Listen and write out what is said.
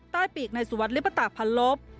ใต้ปีกในสุวรรคลิปตากพันลบ